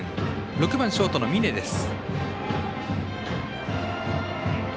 ６番、ショート、峯です。